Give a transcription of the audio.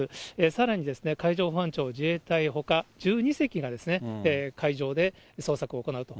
さらに海上保安庁、自衛隊ほか、１２隻が海上で捜索を行うと。